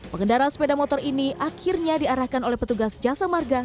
pengendara sepeda motor ini akhirnya diarahkan oleh petugas jasa marga